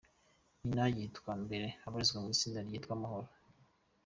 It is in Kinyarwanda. Nyina yitwa Mbere, abarizwa mu itsinda ryitwa Amahoro.